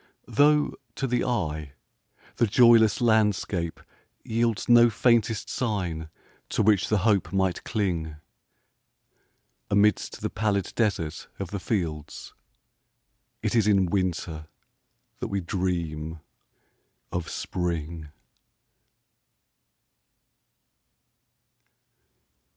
Though, to the eye, the joyless landscape yieldsNo faintest sign to which the hope might cling,—Amidst the pallid desert of the fields,—It is in Winter that we dream of Spring.